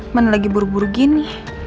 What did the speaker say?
mana lagi buru buru gini